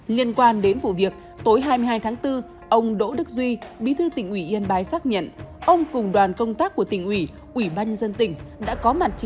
liên quan đến vụ việc tối hai mươi hai tháng bốn ông đỗ đức duy bí thư tỉnh ubnd xác nhận ông cùng đoàn công tác của tỉnh ubnd tỉnh đã có mặt chỉ đạo